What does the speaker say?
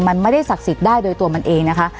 มันไม่ได้ศักดิ์สิทธิ์ได้โดยตัวมันเองนะคะ